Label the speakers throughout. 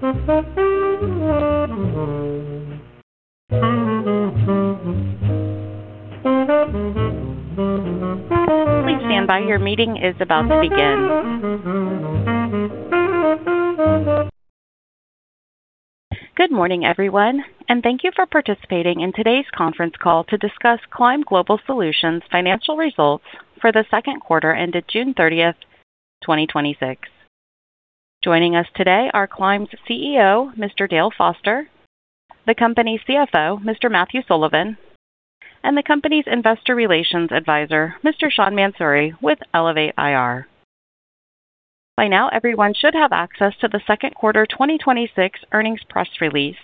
Speaker 1: Good morning, everyone, and thank you for participating in today's conference call to discuss Climb Global Solutions' financial results for the second quarter ended June 30th, 2026. Joining us today are Climb's CEO, Mr. Dale Foster, the company's CFO, Mr. Matthew Sullivan, the company's investor relations advisor, Mr. Sean Mansouri, with Elevate IR. By now, everyone should have access to the second quarter 2026 earnings press release,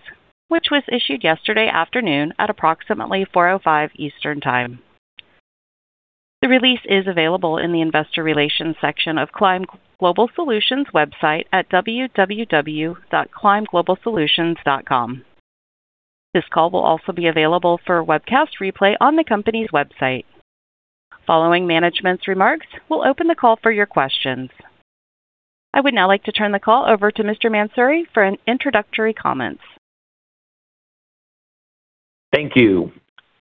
Speaker 1: which was issued yesterday afternoon at approximately 4:05 P.M. Eastern Time. The release is available in the investor relations section of Climb Global Solutions' website at www.climbglobalsolutions.com. This call will also be available for a webcast replay on the company's website. Following management's remarks, we'll open the call for your questions. I would now like to turn the call over to Mr. Mansouri for introductory comments.
Speaker 2: Thank you.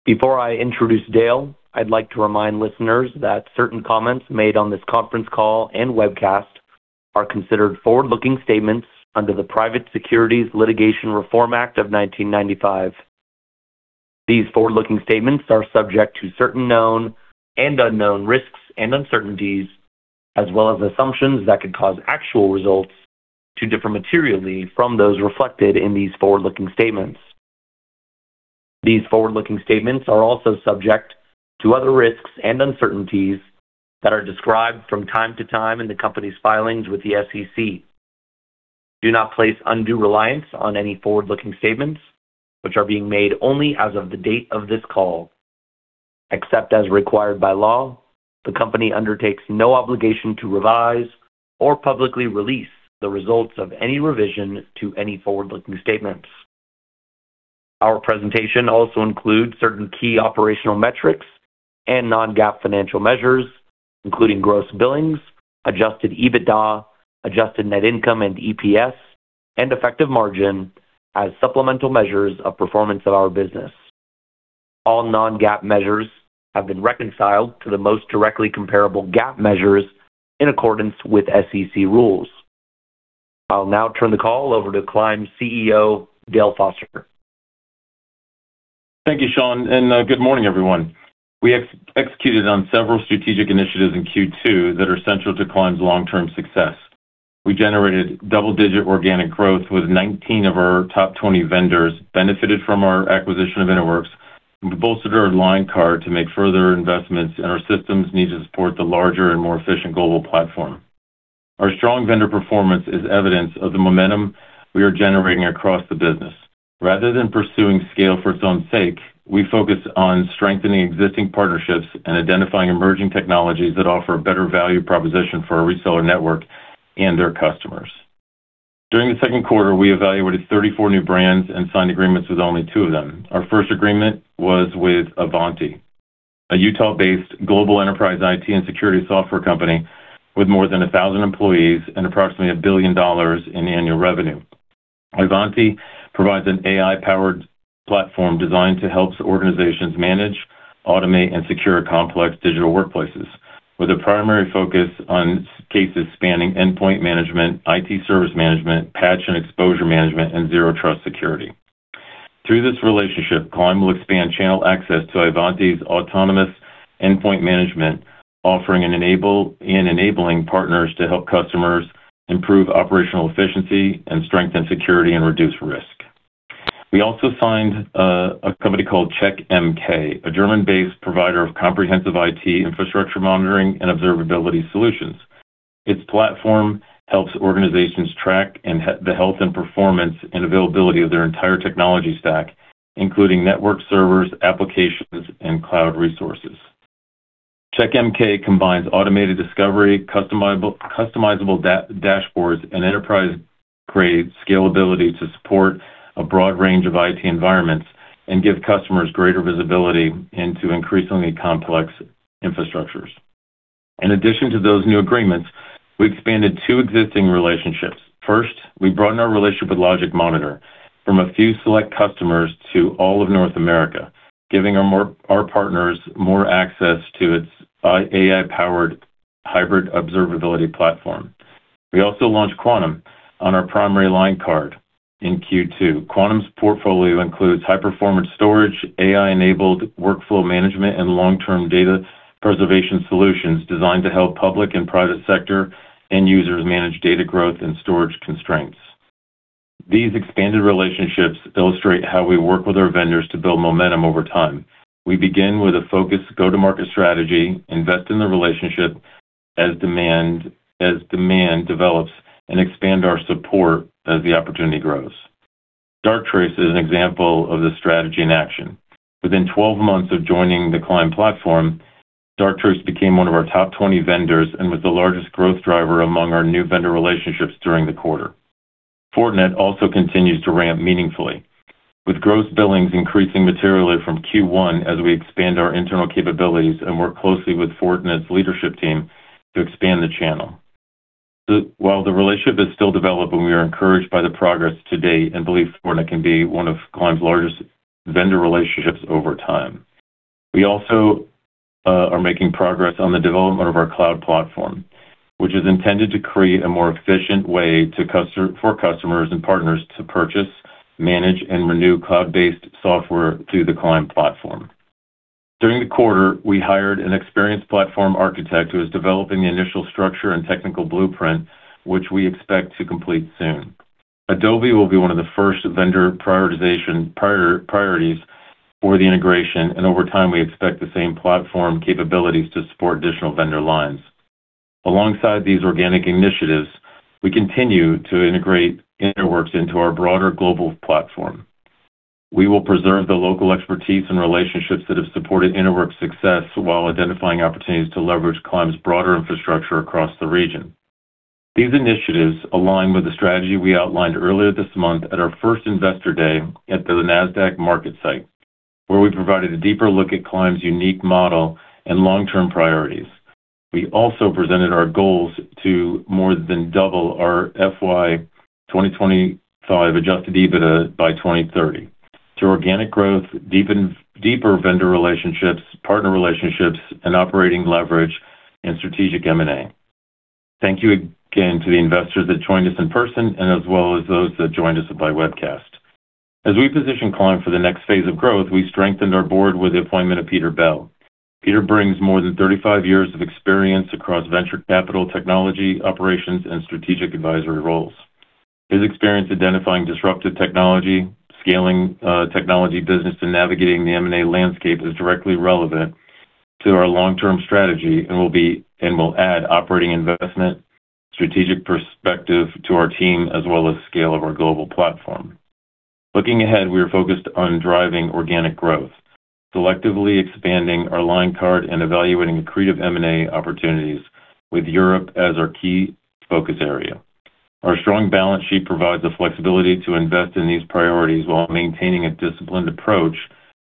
Speaker 2: Before I introduce Dale, I'd like to remind listeners that certain comments made on this conference call and webcast are considered forward-looking statements under the Private Securities Litigation Reform Act of 1995. These forward-looking statements are subject to certain known and unknown risks and uncertainties, as well as assumptions that could cause actual results to differ materially from those reflected in these forward-looking statements. These forward-looking statements are also subject to other risks and uncertainties that are described from time to time in the company's filings with the SEC. Do not place undue reliance on any forward-looking statements, which are being made only as of the date of this call. Except as required by law, the company undertakes no obligation to revise or publicly release the results of any revision to any forward-looking statements. Our presentation also includes certain key operational metrics and non-GAAP financial measures, including gross billings, adjusted EBITDA, adjusted net income and EPS, and effective margin as supplemental measures of performance of our business. All non-GAAP measures have been reconciled to the most directly comparable GAAP measures in accordance with SEC rules. I'll now turn the call over to Climb CEO, Dale Foster.
Speaker 3: Thank you, Sean, and good morning, everyone. We executed on several strategic initiatives in Q2 that are central to Climb's long-term success. We generated double-digit organic growth with 19 of our top 20 vendors, benefited from our acquisition of InterWorks, and bolstered our line card to make further investments in our systems needed to support the larger and more efficient global platform. Our strong vendor performance is evidence of the momentum we are generating across the business. Rather than pursuing scale for its own sake, we focus on strengthening existing partnerships and identifying emerging technologies that offer a better value proposition for our reseller network and their customers. During the second quarter, we evaluated 34 new brands and signed agreements with only two of them. Our first agreement was with Ivanti, a Utah-based global enterprise IT and security software company with more than 1,000 employees and approximately $1 billion in annual revenue. Ivanti provides an AI-powered platform designed to help organizations manage, automate, and secure complex digital workplaces, with a primary focus on cases spanning endpoint management, IT service management, patch and exposure management, and zero-trust security. Through this relationship, Climb will expand channel access to Ivanti's autonomous endpoint management, offering and enabling partners to help customers improve operational efficiency and strengthen security and reduce risk. We also signed a company called Checkmk, a German-based provider of comprehensive IT infrastructure monitoring and observability solutions. Its platform helps organizations track the health and performance, and availability of their entire technology stack, including network servers, applications, and cloud resources. Checkmk combines automated discovery, customizable dashboards, and enterprise-grade scalability to support a broad range of IT environments and give customers greater visibility into increasingly complex infrastructures. In addition to those new agreements, we expanded two existing relationships. First, we broadened our relationship with LogicMonitor from a few select customers to all of North America, giving our partners more access to its AI-powered hybrid observability platform. We also launched Quantum on our primary line card in Q2. Quantum's portfolio includes high-performance storage, AI-enabled workflow management, and long-term data preservation solutions designed to help public and private sector end users manage data growth and storage constraints. These expanded relationships illustrate how we work with our vendors to build momentum over time. We begin with a focused go-to-market strategy, invest in the relationship as demand develops, and expand our support as the opportunity grows. Darktrace is an example of this strategy in action. Within 12 months of joining the Climb platform, Darktrace became one of our top 20 vendors and was the largest growth driver among our new vendor relationships during the quarter. Fortinet also continues to ramp meaningfully, with gross billings increasing materially from Q1 as we expand our internal capabilities and work closely with Fortinet's leadership team to expand the channel. While the relationship is still developing, we are encouraged by the progress to date and believe Fortinet can be one of Climb's largest vendor relationships over time. We also are making progress on the development of our cloud platform, which is intended to create a more efficient way for customers and partners to purchase, manage, and renew cloud-based software through the Climb platform. During the quarter, we hired an experienced platform architect who is developing the initial structure and technical blueprint, which we expect to complete soon. Adobe will be one of the first vendor priorities for the integration, and over time, we expect the same platform capabilities to support additional vendor lines. Alongside these organic initiatives, we continue to integrate InterWorks into our broader global platform. We will preserve the local expertise and relationships that have supported InterWorks' success while identifying opportunities to leverage Climb's broader infrastructure across the region. These initiatives align with the strategy we outlined earlier this month at our first investor day at the Nasdaq market site, where we provided a deeper look at Climb's unique model and long-term priorities. We also presented our goals to more than double our FY 2025 adjusted EBITDA by 2030 through organic growth, deeper vendor relationships, partner relationships, and operating leverage in strategic M&A. Thank you again to the investors that joined us in person as well as those that joined us by webcast. As we position Climb for the next phase of growth, we strengthened our board with the appointment of Peter Bell. Peter brings more than 35 years of experience across venture capital technology, operations, and strategic advisory roles. His experience identifying disruptive technology, scaling technology business, and navigating the M&A landscape is directly relevant to our long-term strategy and will add operating investment, strategic perspective to our team, as well as scale of our global platform. Looking ahead, we are focused on driving organic growth, selectively expanding our line card, and evaluating accretive M&A opportunities with Europe as our key focus area. Our strong balance sheet provides the flexibility to invest in these priorities while maintaining a disciplined approach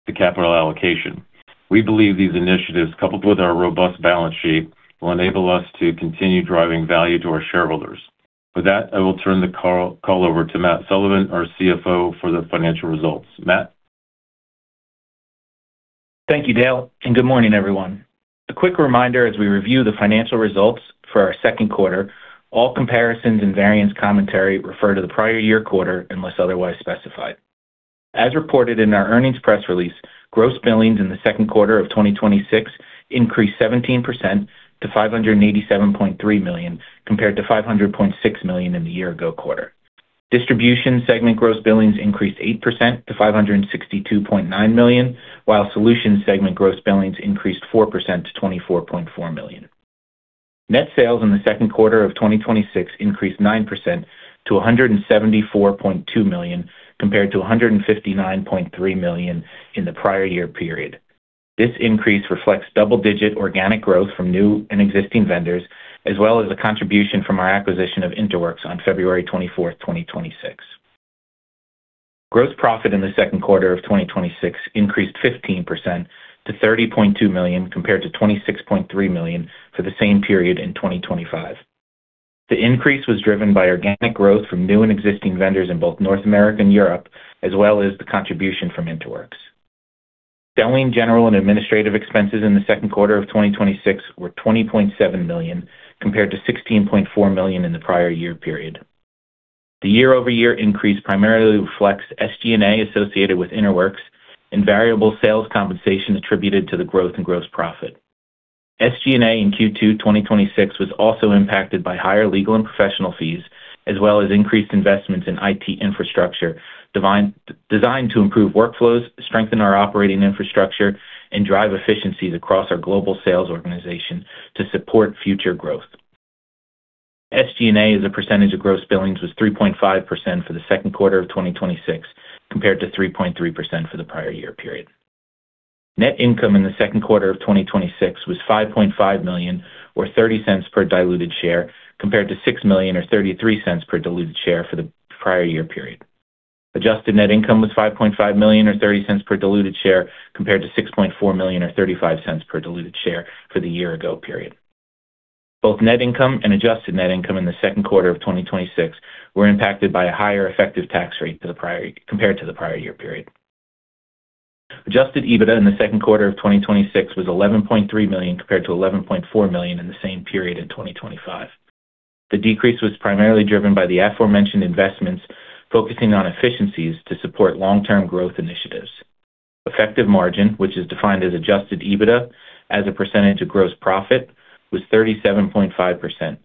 Speaker 3: to capital allocation. We believe these initiatives, coupled with our robust balance sheet, will enable us to continue driving value to our shareholders. With that, I will turn the call over to Matt Sullivan, our CFO, for the financial results. Matt?
Speaker 4: Thank you, Dale, and good morning, everyone. A quick reminder as we review the financial results for our second quarter, all comparisons and variance commentary refer to the prior year quarter, unless otherwise specified. As reported in our earnings press release, gross billings in the second quarter of 2026 increased 17% to $587.3 million, compared to $500.6 million in the year-ago quarter. Distribution segment gross billings increased 8% to $562.9 million, while solutions segment gross billings increased 4% to $24.4 million. Net sales in the second quarter of 2026 increased 9% to $174.2 million, compared to $159.3 million in the prior year period. This increase reflects double-digit organic growth from new and existing vendors, as well as a contribution from our acquisition of InterWorks on February 24, 2026. Gross profit in the second quarter of 2026 increased 15% to $30.2 million, compared to $26.3 million for the same period in 2025. The increase was driven by organic growth from new and existing vendors in both North America and Europe, as well as the contribution from InterWorks. Selling, general, and administrative expenses in the second quarter of 2026 were $20.7 million, compared to $16.4 million in the prior year period. The year-over-year increase primarily reflects SG&A associated with InterWorks and variable sales compensation attributed to the growth in gross profit. SG&A in Q2 2026 was also impacted by higher legal and professional fees, as well as increased investments in IT infrastructure designed to improve workflows, strengthen our operating infrastructure, and drive efficiencies across our global sales organization to support future growth. SG&A as a percentage of gross billings was 3.5% for the second quarter of 2026, compared to 3.3% for the prior year period. Net income in the second quarter of 2026 was $5.5 million, or $0.30 per diluted share, compared to $6 million or $0.33 per diluted share for the prior year period. Adjusted net income was $5.5 million or $0.30 per diluted share, compared to $6.4 million or $0.35 per diluted share for the year-ago period. Both net income and adjusted net income in the second quarter of 2026 were impacted by a higher effective tax rate compared to the prior year period. Adjusted EBITDA in the second quarter of 2026 was $11.3 million, compared to $11.4 million in the same period in 2025. The decrease was primarily driven by the aforementioned investments focusing on efficiencies to support long-term growth initiatives. Effective margin, which is defined as adjusted EBITDA as a percentage of gross profit, was 37.5%,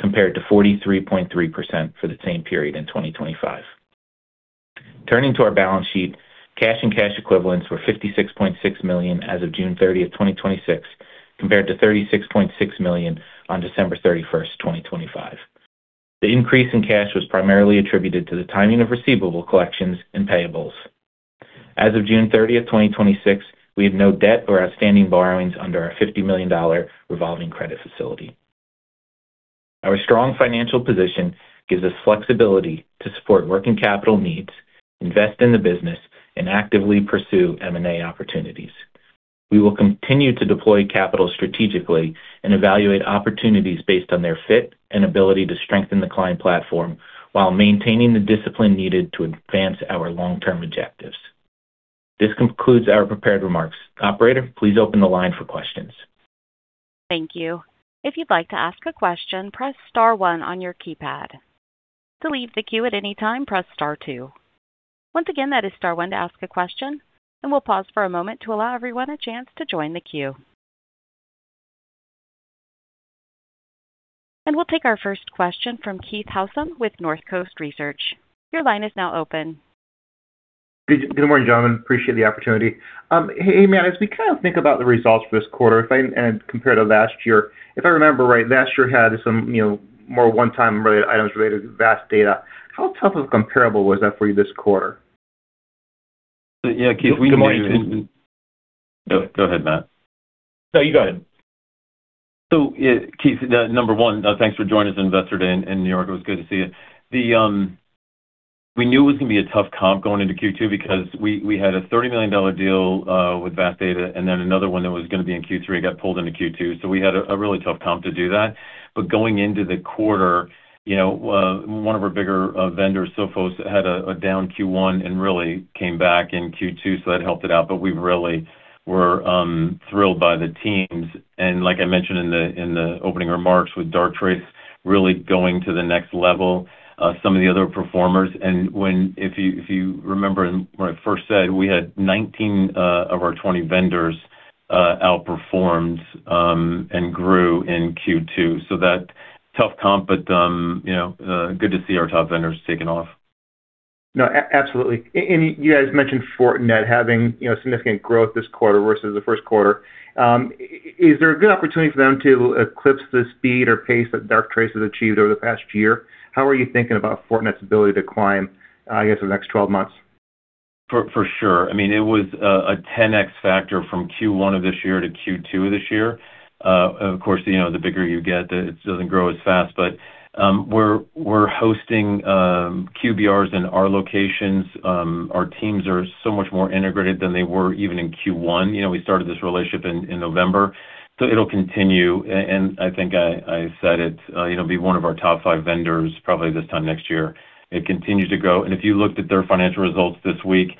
Speaker 4: compared to 43.3% for the same period in 2025. Turning to our balance sheet, cash and cash equivalents were $56.6 million as of June 30, 2026, compared to $36.6 million on December 31, 2025. The increase in cash was primarily attributed to the timing of receivable collections and payables. As of June 30, 2026, we have no debt or outstanding borrowings under our $50 million revolving credit facility. Our strong financial position gives us flexibility to support working capital needs, invest in the business, and actively pursue M&A opportunities. We will continue to deploy capital strategically and evaluate opportunities based on their fit and ability to strengthen the Climb platform while maintaining the discipline needed to advance our long-term objectives. This concludes our prepared remarks. Operator, please open the line for questions.
Speaker 1: Thank you. If you'd like to ask a question, press star one on your keypad. To leave the queue at any time, press star two. Once again, that is star one to ask a question, we'll pause for a moment to allow everyone a chance to join the queue. We'll take our first question from Keith Hausman with Northcoast Research. Your line is now open.
Speaker 5: Good morning, gentlemen. Appreciate the opportunity. Hey, Matt, as we think about the results for this quarter and compare to last year, if I remember right, last year had some more one-time items related to Vast Data. How tough of comparable was that for you this quarter?
Speaker 4: Yeah, Keith,
Speaker 3: Good morning. Go ahead, Matt.
Speaker 4: No, you go ahead.
Speaker 3: Yeah, Keith, number one, thanks for joining us, investor day in New York. It was good to see you. We knew it was going to be a tough comp going into Q2 because we had a $30 million deal with Vast Data, another one that was going to be in Q3 got pulled into Q2, we had a really tough comp to do that. Going into the quarter, one of our bigger vendors, Sophos, had a down Q1 really came back in Q2, that helped it out. We really were thrilled by the teams, like I mentioned in the opening remarks with Darktrace really going to the next level, some of the other performers. If you remember when I first said we had 19 of our 20 vendors outperformed grew in Q2, that tough comp, good to see our top vendors taking off.
Speaker 5: No, absolutely. You guys mentioned Fortinet having significant growth this quarter versus the first quarter. Is there a good opportunity for them to eclipse the speed or pace that Darktrace has achieved over the past year? How are you thinking about Fortinet's ability to climb, I guess, in the next 12 months?
Speaker 3: For sure. It was a 10x factor from Q1 of this year to Q2 of this year. Of course, the bigger you get, it doesn't grow as fast. We're hosting QBRs in our locations. Our teams are so much more integrated than they were even in Q1. We started this relationship in November. It'll continue, I think I said it'll be one of our top five vendors probably this time next year. It continues to grow. If you looked at their financial results this week,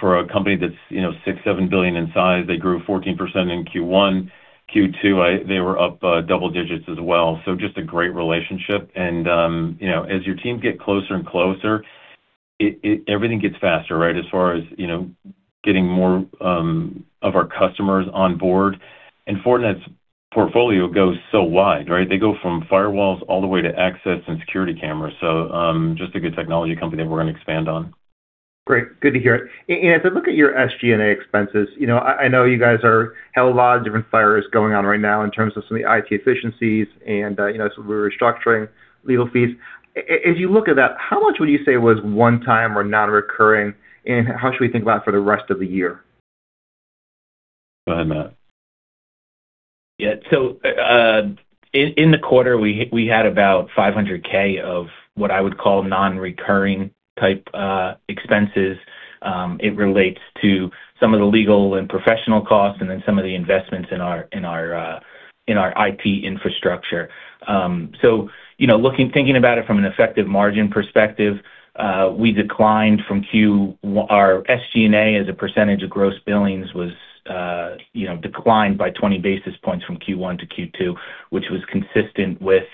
Speaker 3: for a company that's $6-7 billion in size, they grew 14% in Q1. Q2, they were up double digits as well, just a great relationship. As your teams get closer and closer, everything gets faster, right, as far as getting more of our customers on board. Fortinet's portfolio goes so wide, right? They go from firewalls all the way to access and security cameras, just a good technology company that we're going to expand on.
Speaker 5: Great. Good to hear it. As I look at your SG&A expenses, I know you guys have a lot of different fires going on right now in terms of some of the IT efficiencies and some of the restructuring legal fees. As you look at that, how much would you say was one-time or non-recurring, and how should we think about for the rest of the year?
Speaker 3: Go ahead, Matt.
Speaker 4: Yeah. In the quarter, we had about $500 thousand of what I would call non-recurring type expenses. It relates to some of the legal and professional costs, and then some of the investments in our IT infrastructure. Thinking about it from an effective margin perspective, our SG&A as a percentage of gross billings declined by 20 basis points from Q1 to Q2, which was consistent with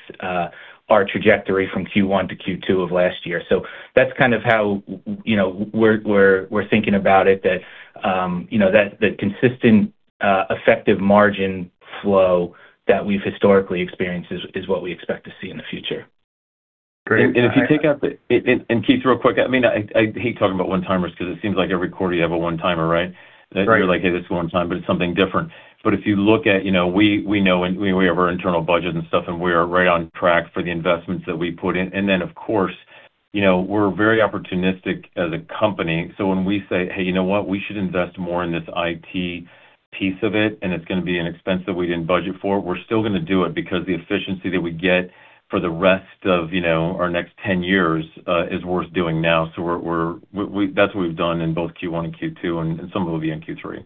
Speaker 4: our trajectory from Q1 to Q2 of last year. That's kind of how we're thinking about it, that the consistent effective margin flow that we've historically experienced is what we expect to see in the future.
Speaker 5: Great.
Speaker 3: Keith Hausman, real quick, I hate talking about one-timers because it seems like every quarter you have a one-timer, right?
Speaker 5: Right.
Speaker 3: You're like, "Hey, this is one time," but it's something different. If you look at, we know, and we have our internal budget and stuff, and we are right on track for the investments that we put in. Of course, we're very opportunistic as a company. When we say, "Hey, you know what? We should invest more in this IT piece of it, and it's going to be an expense that we didn't budget for," we're still going to do it because the efficiency that we get for the rest of our next 10 years is worth doing now. That's what we've done in both Q1 and Q2, and some of it will be in Q3.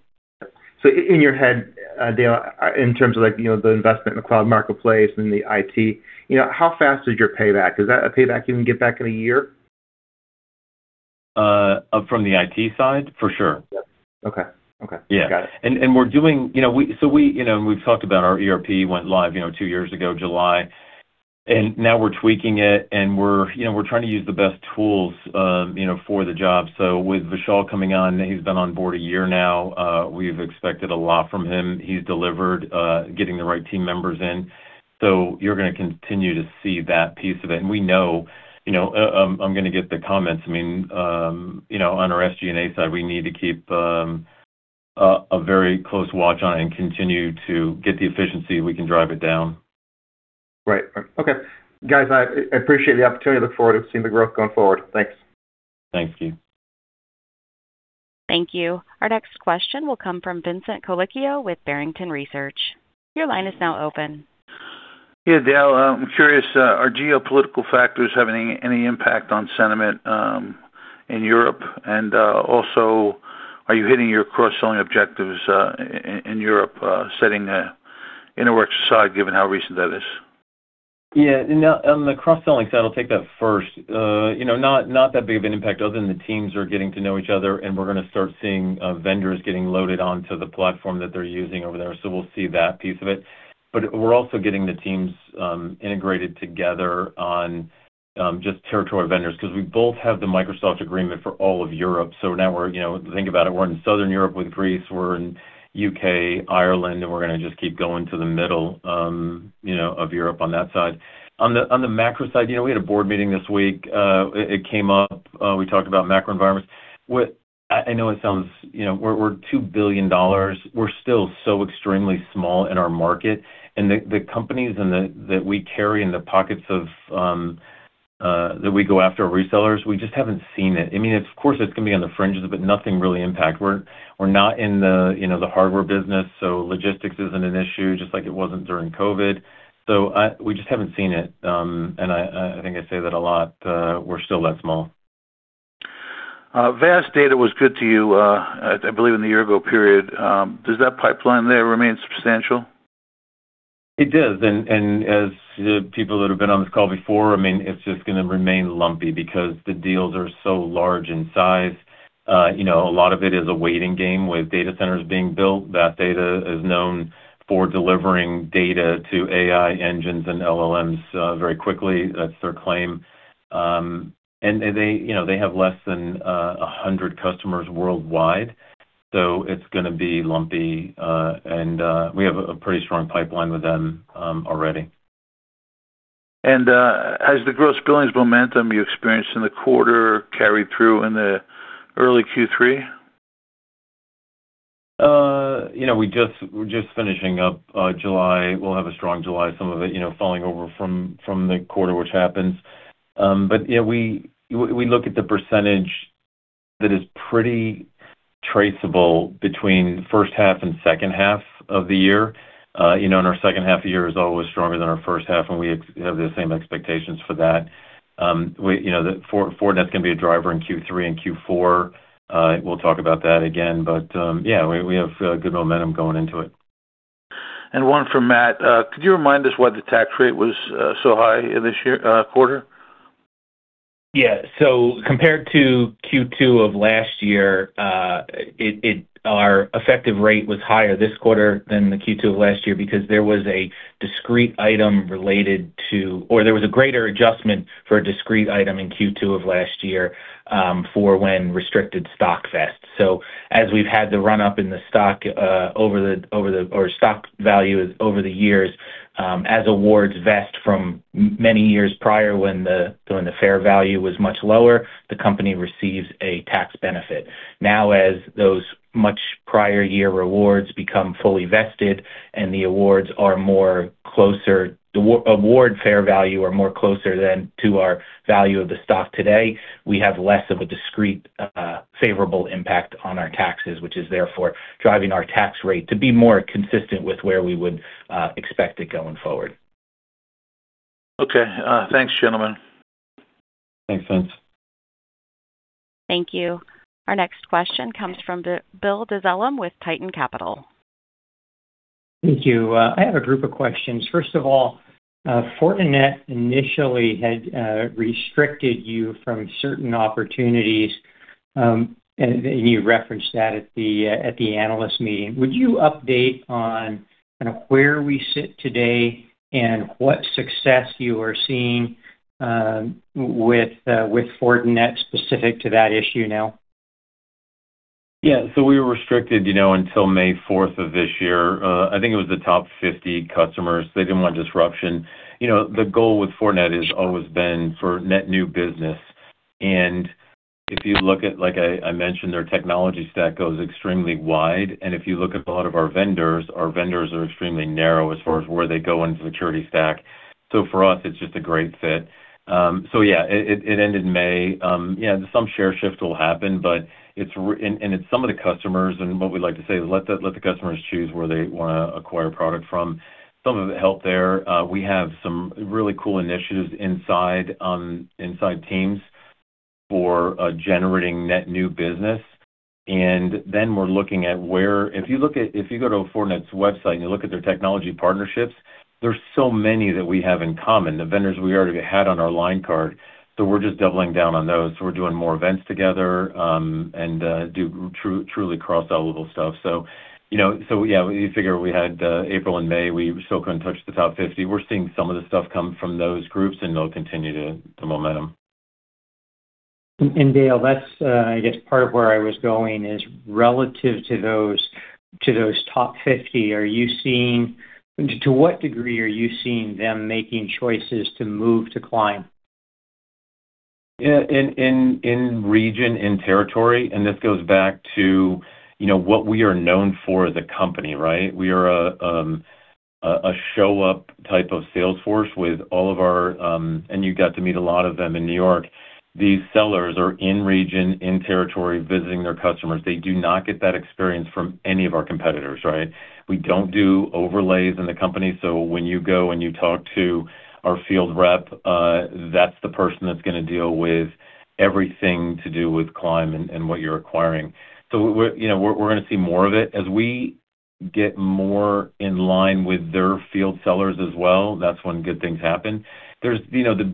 Speaker 5: In your head, Dale, in terms of the investment in the cloud marketplace and the IT, how fast is your payback? Is that a payback you can get back in one year?
Speaker 3: From the IT side? For sure.
Speaker 5: Okay. Got it.
Speaker 3: Yeah. We've talked about our ERP went live two years ago, July, and now we're tweaking it, and we're trying to use the best tools for the job. With Vishal coming on, he's been on board a year now, we've expected a lot from him. He's delivered, getting the right team members in. You're going to continue to see that piece of it. We know, I'm going to get the comments on our SG&A side, we need to keep a very close watch on it and continue to get the efficiency we can drive it down.
Speaker 5: Right. Okay. Guys, I appreciate the opportunity. I look forward to seeing the growth going forward. Thanks.
Speaker 3: Thanks, Keith.
Speaker 1: Thank you. Our next question will come from Vincent Colicchio with Barrington Research. Your line is now open.
Speaker 6: Yeah, Dale, I'm curious, are geopolitical factors having any impact on sentiment in Europe? Are you hitting your cross-selling objectives in Europe, setting the InterWorks side, given how recent that is?
Speaker 3: Yeah. On the cross-selling side, I'll take that first. Not that big of an impact other than the teams are getting to know each other, and we're going to start seeing vendors getting loaded onto the platform that they're using over there. We'll see that piece of it. We're also getting the teams integrated together on just territory vendors because we both have the Microsoft agreement for all of Europe. Now we're, think about it, we're in Southern Europe with Greece, we're U.K., Ireland, and we're going to just keep going to the middle of Europe on that side. On the macro side, we had a board meeting this week. It came up, we talked about macro environments. I know it sounds. We're $2 billion. We're still so extremely small in our market, the companies that we carry in the pockets that we go after our resellers, we just haven't seen it. Of course, it's going to be on the fringes, nothing really impact. We're not in the hardware business, logistics isn't an issue, just like it wasn't during COVID. We just haven't seen it, and I think I say that a lot. We're still that small.
Speaker 6: Vast Data was good to you, I believe, in the year ago period. Does that pipeline there remain substantial?
Speaker 3: It does. As people that have been on this call before, it's just going to remain lumpy because the deals are so large in size. A lot of it is a waiting game with data centers being built. Vast Data is known for delivering data to AI engines and LLMs very quickly. That's their claim. They have less than 100 customers worldwide, so it's going to be lumpy. We have a pretty strong pipeline with them already.
Speaker 6: Has the gross billings momentum you experienced in the quarter carried through in the early Q3?
Speaker 3: We're just finishing up July. We'll have a strong July, some of it falling over from the quarter, which happens. Yeah, we look at the percentage that is pretty traceable between first half and second half of the year. Our second half of the year is always stronger than our first half, and we have the same expectations for that. Fortinet's going to be a driver in Q3 and Q4. We'll talk about that again. Yeah, we have good momentum going into it.
Speaker 6: One for Matt. Could you remind us why the tax rate was so high this quarter?
Speaker 4: Yeah. Compared to Q2 of last year, our effective rate was higher this quarter than the Q2 of last year because there was a greater adjustment for a discrete item in Q2 of last year, for when restricted stock vests. As we've had the run-up in the stock value over the years, as awards vest from many years prior when the fair value was much lower, the company receives a tax benefit. As those much prior year awards become fully vested and the award fair value are more closer then to our value of the stock today, we have less of a discrete favorable impact on our taxes, which is therefore driving our tax rate to be more consistent with where we would expect it going forward.
Speaker 6: Okay. Thanks, gentlemen.
Speaker 3: Thanks, Vince.
Speaker 1: Thank you. Our next question comes from Bill Dezellem with Tieton Capital.
Speaker 7: Thank you. I have a group of questions. First of all, Fortinet initially had restricted you from certain opportunities, and you referenced that at the analyst meeting. Would you update on where we sit today and what success you are seeing with Fortinet specific to that issue now?
Speaker 3: Yeah. We were restricted until May 4th of this year. I think it was the top 50 customers. They didn't want disruption. The goal with Fortinet has always been for net new business, and if you look at, like I mentioned, their technology stack goes extremely wide. If you look at a lot of our vendors, our vendors are extremely narrow as far as where they go in the security stack. For us, it's just a great fit. Yeah, it ended in May. Some share shift will happen, and it's some of the customers, and what we like to say is let the customers choose where they want to acquire product from. Some of it helped there. We have some really cool initiatives inside teams for generating net new business, and then we're looking at. If you go to Fortinet's website and you look at their technology partnerships, there's so many that we have in common, the vendors we already had on our line card. We're just doubling down on those. We're doing more events together, and do truly cross-sellable stuff. Yeah, you figure we had April and May, we still couldn't touch the top 50. We're seeing some of the stuff come from those groups, and they'll continue the momentum.
Speaker 7: Dale, that's I guess part of where I was going is relative to those top 50, to what degree are you seeing them making choices to move to Climb?
Speaker 3: In region, in territory, this goes back to what we are known for as a company, right? We are a show-up type of sales force with all of our. You got to meet a lot of them in New York. These sellers are in region, in territory, visiting their customers. They do not get that experience from any of our competitors, right? We don't do overlays in the company. When you go and you talk to our field rep, that's the person that's going to deal with everything to do with Climb and what you're acquiring. We're going to see more of it. As we get more in line with their field sellers as well, that's when good things happen. The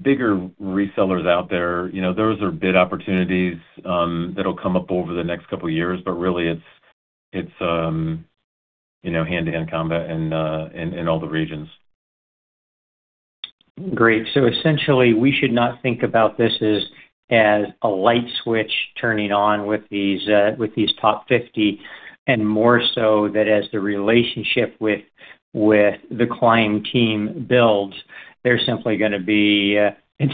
Speaker 3: bigger resellers out there, those are bid opportunities that'll come up over the next couple of years. Really it's hand-to-hand combat in all the regions.
Speaker 7: Great. Essentially, we should not think about this as a light switch turning on with these top 50, and more so that as the relationship with the Climb team builds, it's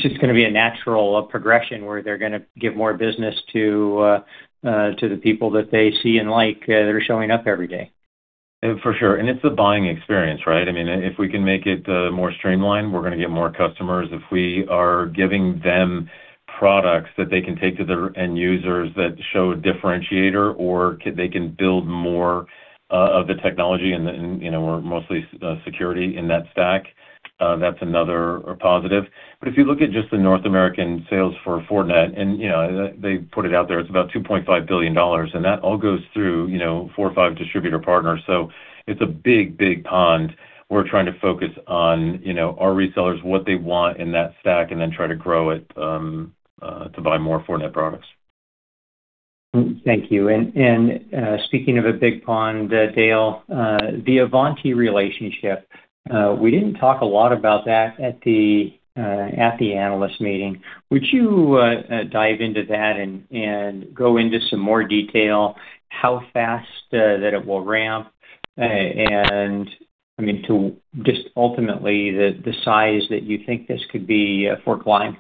Speaker 7: just going to be a natural progression where they're going to give more business to the people that they see and like that are showing up every day.
Speaker 3: It's the buying experience, right? If we can make it more streamlined, we're going to get more customers. If we are giving them products that they can take to their end users that show differentiator or they can build more of the technology, and we're mostly security in that stack, that's another positive. If you look at just the North American sales for Fortinet, and they put it out there, it's about $2.5 billion, and that all goes through four or five distributor partners. It's a big pond we're trying to focus on our resellers, what they want in that stack, and then try to grow it to buy more Fortinet products.
Speaker 7: Thank you. Speaking of a big pond, Dale, the Ivanti relationship, we didn't talk a lot about that at the analyst meeting. Would you dive into that and go into some more detail how fast that it will ramp and, just ultimately, the size that you think this could be for Climb?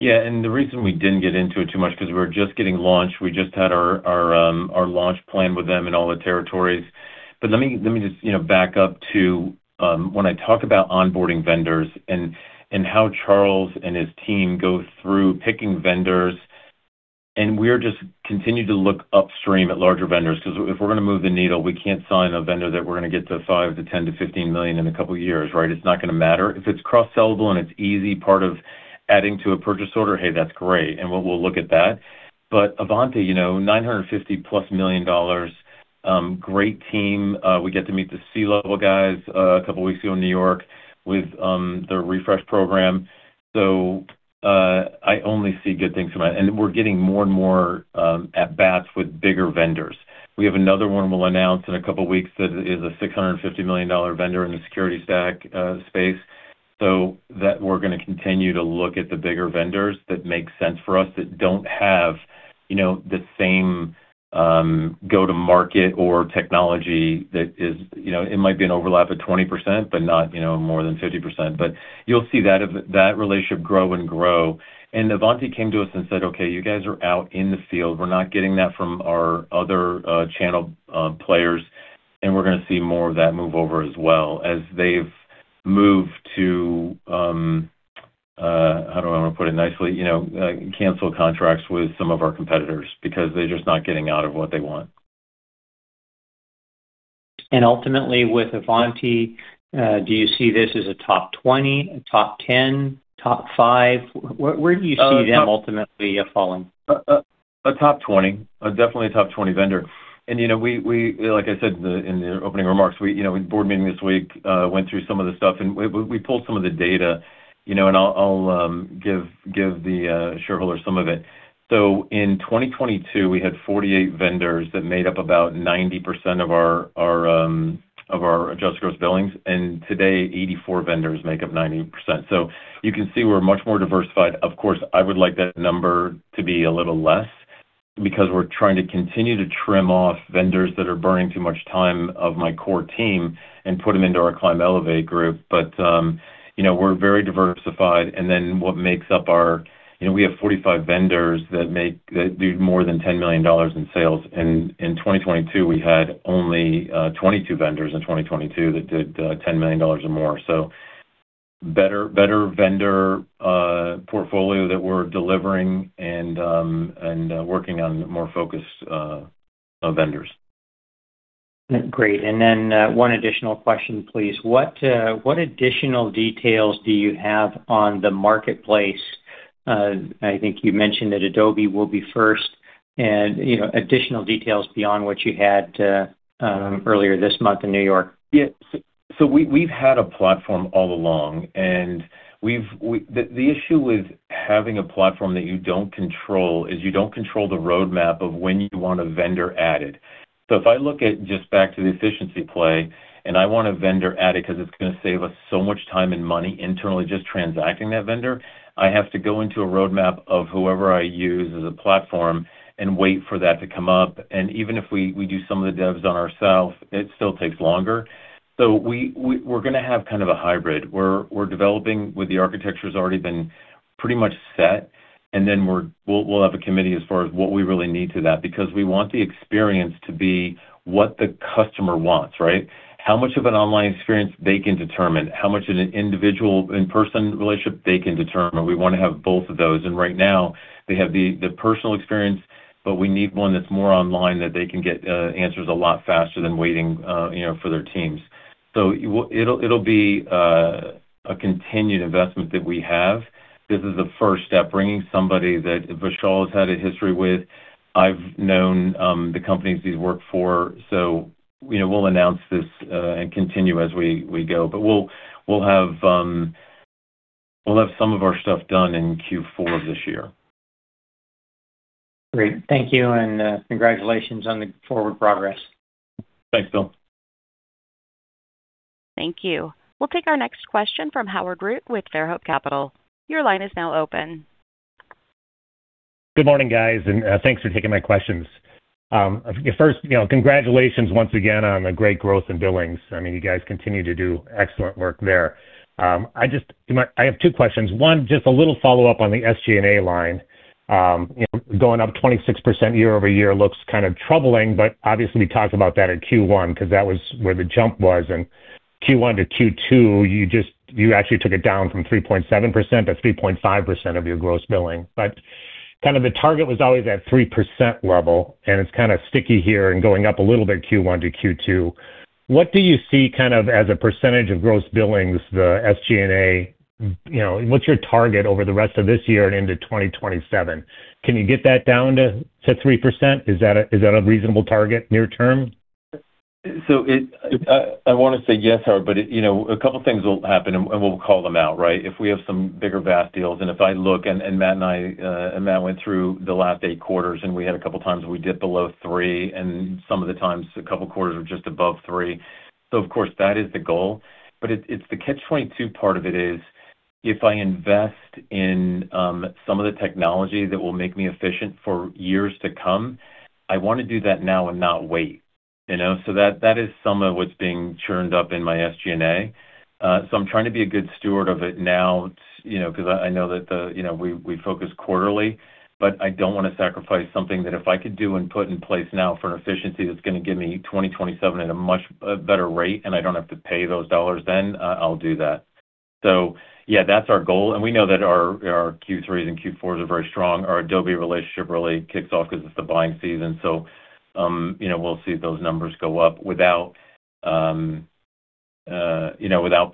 Speaker 3: The reason we didn't get into it too much, because we're just getting launched. We just had our launch plan with them in all the territories. Let me just back up to when I talk about onboarding vendors and how Charles and his team go through picking vendors, and we're just continue to look upstream at larger vendors, because if we're going to move the needle, we can't sign a vendor that we're going to get to five to 10 to 15 million in a couple of years, right? It's not going to matter. If it's cross-sellable and it's easy part of adding to a purchase order, hey, that's great, and we'll look at that. Ivanti, $950 plus million, great team. We get to meet the C-level guys a couple of weeks ago in New York with their refresh program. I only see good things from that. We're getting more and more at bats with bigger vendors. We have another one we'll announce in a couple of weeks that is a $650 million vendor in the security stack space. That we're going to continue to look at the bigger vendors that make sense for us, that don't have the same go-to-market or technology. It might be an overlap of 20%, but not more than 50%. You'll see that relationship grow and grow. Ivanti came to us and said, "Okay, you guys are out in the field. We're not getting that from our other channel players. We're going to see more of that move over as well as they've moved to, how do I want to put it nicely, cancel contracts with some of our competitors because they're just not getting out of what they want.
Speaker 7: Ultimately, with Ivanti, do you see this as a top 20, a top 10, top five? Where do you see them ultimately falling?
Speaker 3: A top 20. Definitely a top 20 vendor. Like I said in the opening remarks, board meeting this week, went through some of the stuff, and we pulled some of the data, and I'll give the shareholders some of it. In 2022, we had 48 vendors that made up about 90% of our adjusted gross billings, and today, 84 vendors make up 90%. You can see we're much more diversified. Of course, I would like that number to be a little less because we're trying to continue to trim off vendors that are burning too much time of my core team and put them into our Climb Elevate group. We're very diversified. We have 45 vendors that do more than $10 million in sales. In 2022, we had only 22 vendors in 2022 that did $10 million or more. Better vendor portfolio that we're delivering and working on more focused vendors.
Speaker 7: Great. Then one additional question, please. What additional details do you have on the marketplace? I think you mentioned that Adobe will be first and additional details beyond what you had earlier this month in New York.
Speaker 3: Yeah. We've had a platform all along, the issue with having a platform that you don't control is you don't control the roadmap of when you want a vendor added. If I look at just back to the efficiency play and I want a vendor added because it's going to save us so much time and money internally just transacting that vendor, I have to go into a roadmap of whoever I use as a platform and wait for that to come up. Even if we do some of the devs on ourselves, it still takes longer. We're going to have kind of a hybrid. We're developing with the architecture's already been pretty much set, then we'll have a committee as far as what we really need to that, because we want the experience to be what the customer wants, right? How much of an online experience they can determine, how much of an individual in-person relationship they can determine. We want to have both of those. Right now they have the personal experience, but we need one that's more online that they can get answers a lot faster than waiting for their teams. It'll be a continued investment that we have. This is the first step, bringing somebody that Vishal has had a history with. I've known the companies he's worked for. We'll announce this and continue as we go. We'll have some of our stuff done in Q4 of this year.
Speaker 7: Great. Thank you, congratulations on the forward progress.
Speaker 3: Thanks, Bill.
Speaker 1: Thank you. We'll take our next question from Howard Root with Fairhope Capital. Your line is now open.
Speaker 8: Good morning, guys, and thanks for taking my questions. First, congratulations once again on the great growth in billings. You guys continue to do excellent work there. I have two questions. One, just a little follow-up on the SG&A line. Going up 26% year-over-year looks kind of troubling, but obviously you talked about that at Q1 because that was where the jump was. In Q1 to Q2, you actually took it down from 3.7% to 3.5% of your gross billings. The target was always at 3% level, and it's kind of sticky here and going up a little bit Q1 to Q2. What do you see as a percentage of gross billings, the SG&A? What's your target over the rest of this year and into 2027? Can you get that down to 3%? Is that a reasonable target near-term?
Speaker 3: I want to say yes, Howard, but a couple of things will happen, and we'll call them out. If we have some bigger VAST deals, and if I look, and Matt and I went through the last eight quarters, and we had a couple of times where we dipped below three, and some of the times, a couple of quarters were just above three. Of course, that is the goal. The catch-22 part of it is, if I invest in some of the technology that will make me efficient for years to come, I want to do that now and not wait. That is some of what's being churned up in my SG&A. I'm trying to be a good steward of it now, because I know that we focus quarterly, but I don't want to sacrifice something that if I could do and put in place now for an efficiency that's going to give me 2027 at a much better rate and I don't have to pay those dollars then, I'll do that. Yeah, that's our goal. We know that our Q3s and Q4s are very strong. Our Adobe relationship really kicks off because it's the buying season, so we'll see those numbers go up without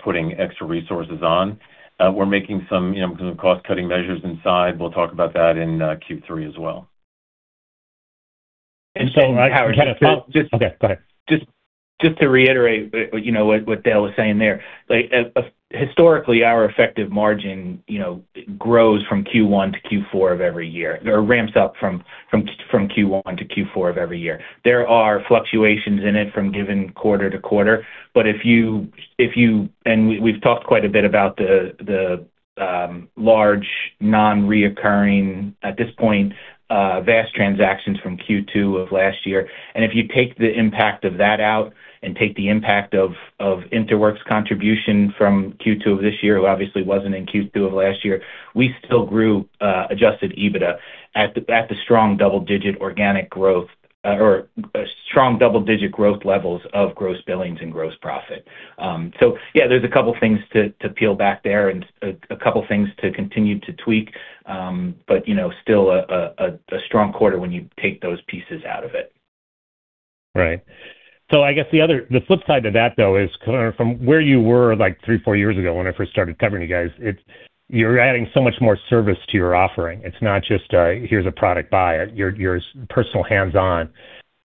Speaker 3: putting extra resources on. We're making some cost-cutting measures inside. We'll talk about that in Q3 as well.
Speaker 4: Howard- Just-
Speaker 3: Okay, go ahead.
Speaker 4: Just to reiterate what Dale was saying there. Historically, our effective margin grows from Q1 to Q4 of every year, or ramps up from Q1 to Q4 of every year. There are fluctuations in it from given quarter to quarter. We've talked quite a bit about the large non-reoccurring, at this point, VAST transactions from Q2 of last year. If you take the impact of that out and take the impact of InterWorks' contribution from Q2 of this year, who obviously wasn't in Q2 of last year, we still grew adjusted EBITDA at the strong double-digit organic growth or strong double-digit growth levels of gross billings and gross profit. Yeah, there's a couple of things to peel back there and a couple of things to continue to tweak. Still a strong quarter when you take those pieces out of it.
Speaker 8: I guess the flip side to that, though, is from where you were three, four years ago when I first started covering you guys, you're adding so much more service to your offering. It's not just, here's a product, buy it. You're personal hands-on.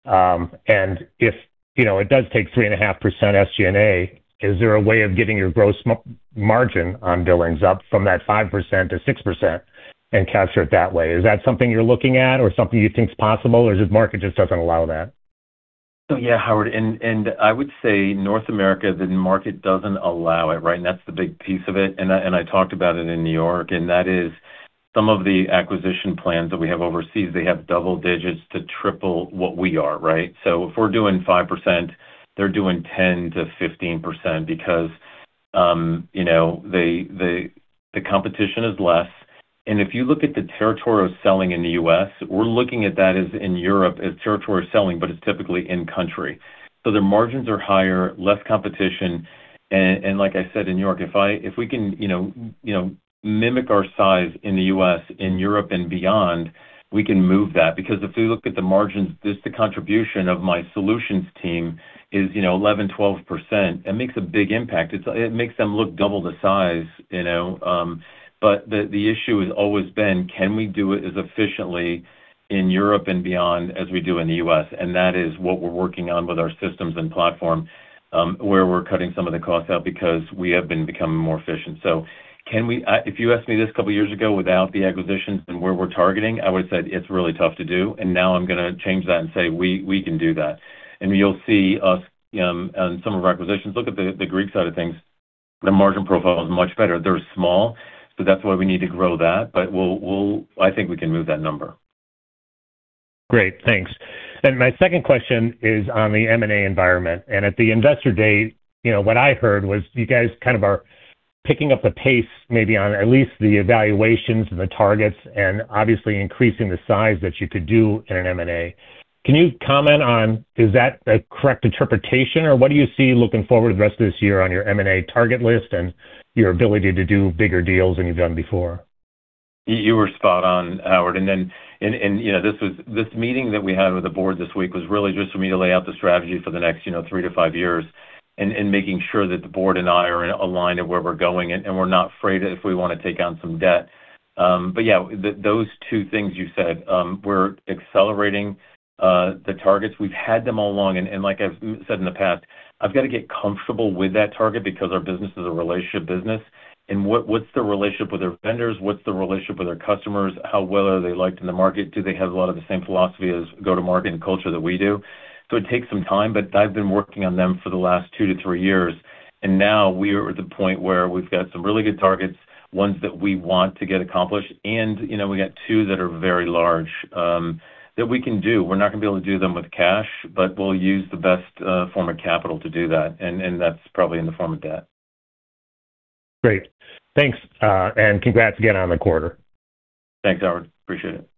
Speaker 8: If it does take 3.5% SG&A, is there a way of getting your gross margin on billings up from that 5%-6% and capture it that way? Is that something you're looking at or something you think is possible, or the market just doesn't allow that?
Speaker 3: Yeah, Howard, I would say North America, the market doesn't allow it. That's the big piece of it, I talked about it in New York, that is some of the acquisition plans that we have overseas, they have double digits to triple what we are. If we're doing 5%, they're doing 10%-15% because the competition is less. If you look at the territory we're selling in the U.S., we're looking at that as in Europe as territory we're selling, but it's typically in-country. Their margins are higher, less competition. Like I said in New York, if we can mimic our size in the U.S., in Europe, and beyond, we can move that. If we look at the margins, just the contribution of my solutions team is 11%, 12%. It makes a big impact. It makes them look double the size. The issue has always been, can we do it as efficiently in Europe and beyond as we do in the U.S.? That is what we're working on with our systems and platform, where we're cutting some of the costs out because we have been becoming more efficient. If you asked me this a couple of years ago without the acquisitions and where we're targeting, I would've said it's really tough to do, now I'm going to change that and say we can do that. You'll see us on some of our acquisitions. Look at the Greek side of things. The margin profile is much better. They're small, that's why we need to grow that. I think we can move that number.
Speaker 8: Great. Thanks. My second question is on the M&A environment. At the investor day, what I heard was you guys are picking up the pace maybe on at least the evaluations and the targets and obviously increasing the size that you could do in an M&A. Can you comment on, is that a correct interpretation, or what do you see looking forward the rest of this year on your M&A target list and your ability to do bigger deals than you've done before?
Speaker 3: You were spot on, Howard. This meeting that we had with the board this week was really just for me to lay out the strategy for the next three to five years and making sure that the board and I are in align in where we're going, and we're not afraid if we want to take on some debt. Yeah, those two things you said. We're accelerating the targets. We've had them all along, and like I've said in the past, I've got to get comfortable with that target because our business is a relationship business. What's the relationship with our vendors? What's the relationship with our customers? How well are they liked in the market? Do they have a lot of the same philosophy as go-to-market and culture that we do? It takes some time, I've been working on them for the last two to three years, now we are at the point where we've got some really good targets, ones that we want to get accomplished, we got two that are very large that we can do. We're not going to be able to do them with cash, we'll use the best form of capital to do that's probably in the form of debt.
Speaker 8: Great. Thanks, congrats again on the quarter.
Speaker 3: Thanks, Howard. Appreciate it.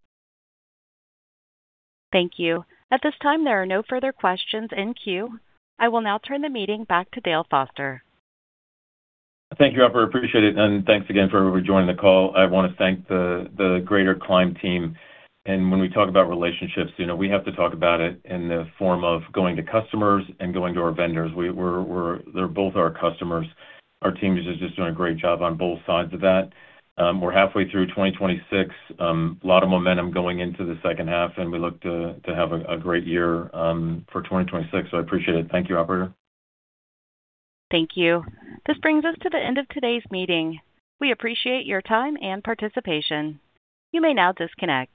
Speaker 1: Thank you. At this time, there are no further questions in queue. I will now turn the meeting back to Dale Foster.
Speaker 3: Thank you, operator. Appreciate it. Thanks again for everybody joining the call. I want to thank the greater Climb team. When we talk about relationships, we have to talk about it in the form of going to customers and going to our vendors. They're both our customers. Our teams are just doing a great job on both sides of that. We're halfway through 2026. A lot of momentum going into the second half, and we look to have a great year for 2026, so I appreciate it. Thank you, operator.
Speaker 1: Thank you. This brings us to the end of today's meeting. We appreciate your time and participation. You may now disconnect.